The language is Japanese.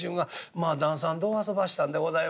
『まあ旦さんどうあそばしたんでございます？